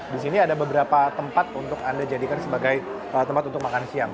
di sini ada beberapa tempat untuk anda jadikan sebagai tempat untuk makan siang